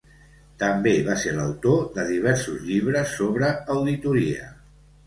També va ser l'autor de diversos llibres sobre auditoria.